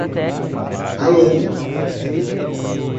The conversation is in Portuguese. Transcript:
Pivot envolve mudança de direção de negócios.